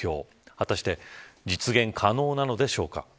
果たして実現可能なのでしょうか。